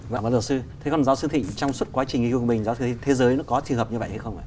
vâng bác giáo sư thế còn giáo sư thịnh trong suốt quá trình yêu mình giáo sư thế giới nó có trường hợp như vậy hay không ạ